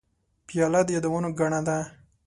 پیاله د یادونو ګاڼه ده.